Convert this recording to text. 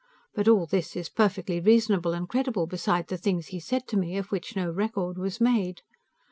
But all this is perfectly reasonable and credible, beside the things he said to me, of which no record was made.